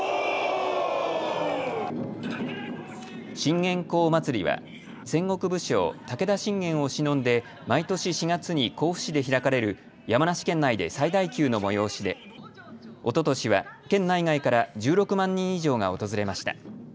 信玄公祭りは戦国武将、武田信玄をしのんで毎年４月に甲府市で開かれる山梨県内で最大級の催しでおととしは県内外から１６万人以上が訪れました。